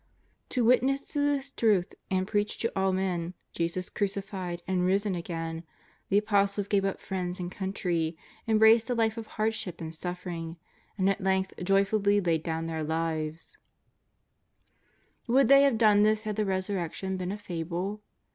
* To witness to this truth, and preach to all men Jesus crucified and risen agpin, the Apostles gave up friends and country, embraced a life of hardship and suffering, and at length joyfully laid down their lives. •Acta 4. JESTIS OF NAZAKETH. 391 Would they have done this had the Resurrection been a fable